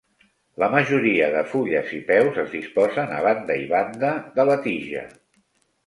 La majoria de fulles i peus es disposen a banda i banda de la tija.